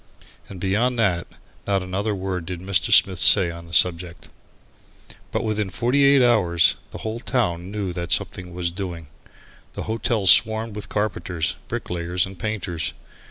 And beyond that, not another word did Mr. Smith say on the subject. But within forty eight hours the whole town knew that something was doing. The hotel swarmed with carpenters, bricklayers and painters.